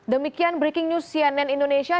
demikian breaking news cnn indonesia